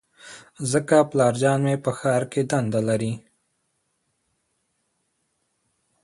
ځکه پلارجان مې په ښار کې دنده لرله